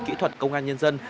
kỹ thuật công an nhân dân